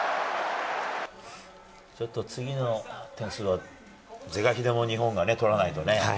ちょっと次の点数は、是が非でも日本がね、取らないとね。